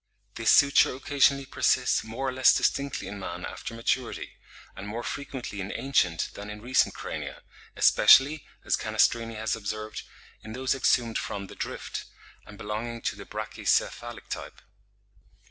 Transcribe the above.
This suture occasionally persists more or less distinctly in man after maturity; and more frequently in ancient than in recent crania, especially, as Canestrini has observed, in those exhumed from the Drift, and belonging to the brachycephalic type.